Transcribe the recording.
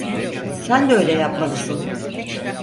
Sen de öyle yapmalısın.